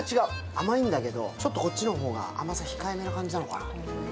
甘いんだけど、ちょっと、こっちの方が甘さ控えめな感じなのかな。